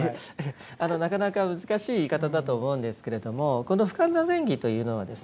なかなか難しい言い方だと思うんですけれどもこの「普勧坐禅儀」というのはですね